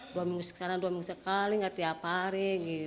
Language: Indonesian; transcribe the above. dua minggu sekarang dua minggu sekali nggak tiap hari